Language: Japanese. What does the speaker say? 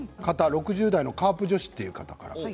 ６０代のカープ女子という方です。